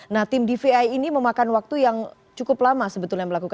nah tim dvi ini memakan waktu yang cukup lama sebetulnya melakukan